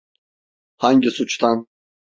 Hangi suçtan?